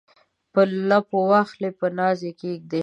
په لپو واخلي په ناز یې کښیږدي